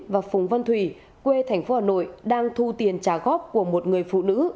và phùng văn thủy quê thành phố hà nội đang thu tiền trả góp của một người phụ nữ